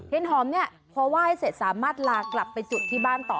เทียนหอมนี้พอไหว้ให้เสร็จสามารถลากลับไปจุดที่บ้านต่อ